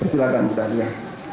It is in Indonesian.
silakan ibu dahlia